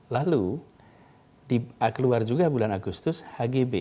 lalu keluar juga bulan agustus hgb